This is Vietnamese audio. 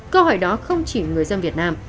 câu hỏi đó không chỉ người dân việt nam